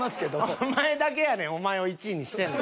お前だけやねんお前を１位にしてんの。